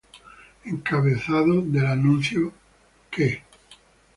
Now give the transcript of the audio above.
Encabezado del anuncio que Mr.